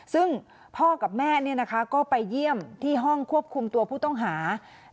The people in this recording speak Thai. ซึ่งพ่อกับแม่ก็ไปเยี่ยมที่ห้องควบคุมตัวผู้ต้องหา